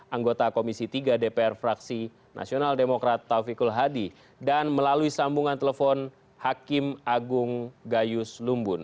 anggota komisi tiga dpr fraksi nasional demokrat taufikul hadi dan melalui sambungan telepon hakim agung gayus lumbun